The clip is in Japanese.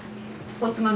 おつまみ？